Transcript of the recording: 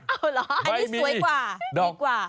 อันนี้สวยกว่า